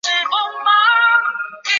李翱为唐代贞元十四年进士。